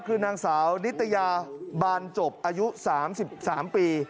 คือนางสาวนิตยาบานจบอายุ๓๓ปี